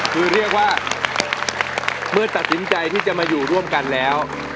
คือเรียกว่าเมื่อตัดสินใจที่จะมาอยู่ร่วมกันแล้ว